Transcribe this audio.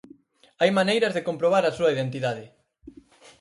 Hai maneiras de comprobar a súa identidade.